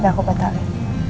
udah aku betalin